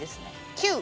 ９！